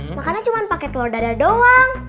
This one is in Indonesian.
makannya cuma pake telur dadar doang